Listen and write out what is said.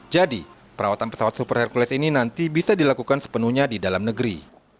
jadi perawatan pesawat super hercules ini nanti bisa dilakukan sepenuhnya di dalam negeri